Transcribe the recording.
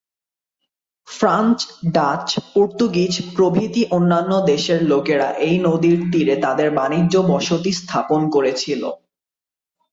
France, Dutch, Portuguese প্রভৃতি অন্যান্য দেশের লোকেরা এই নদীর তীরে তাদের বাণিজ্য বসতি স্থাপন করেছিল।